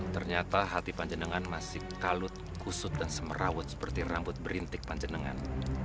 ternyata hati panjenengan masih kalut kusut dan semerawut seperti rambut berintik panjenengan